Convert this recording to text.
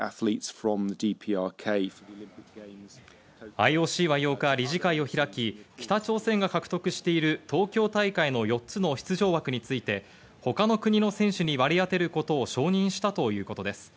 ＩＯＣは８日、理事会を開き、北朝鮮が獲得している東京大会の４つの出場枠について、他の国の選手に割り当てることを承認したということです。